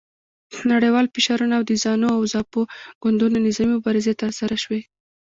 نړیوال فشارونه او د زانو او زاپو ګوندونو نظامي مبارزې ترسره شوې.